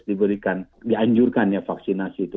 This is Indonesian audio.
diberikan dianjurkan ya vaksinasi itu